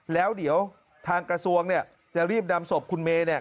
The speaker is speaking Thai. แล้วเดี๋ยวทางกระทรวงจะรีบนำศพคุณเมย์